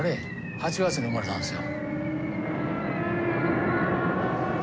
８月に生まれたんですよ。